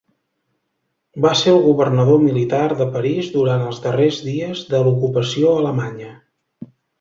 Va ser el governador militar de París durant els darrers dies de l'ocupació alemanya.